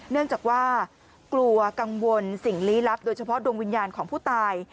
เนื่องจากว่ากลัวกังวลสิ่งลี้ลับโดยเฉพาะดวงวิญญาณของผู้ตาย